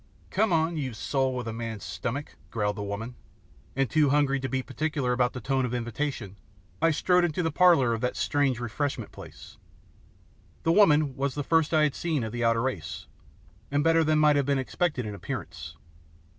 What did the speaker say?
"Come on, you Soul with a man's stomach," growled the woman, and too hungry to be particular about the tone of invitation, I strode into the parlour of that strange refreshment place. The woman was the first I had seen of the outer race, and better than might have been expected in appearance.